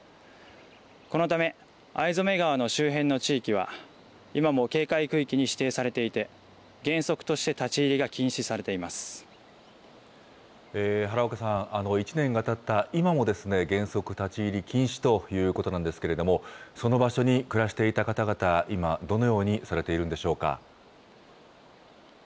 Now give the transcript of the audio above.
このため、逢初川の周辺の地域は、今も警戒区域に指定されていて、原則として立ち入りが禁止されて原岡さん、１年がたった今も原則立ち入り禁止ということなんですけれども、その場所に暮らしていた方々、今、どのようにされているんでしょうか。